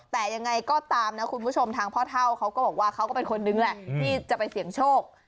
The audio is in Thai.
แต่ยังไงก็ตามนะคุณผู้ชมทางพ่อเท่าเขาก็บอกว่าเขาก็เป็นคนนึงแหละที่จะไปเสี่ยงโชค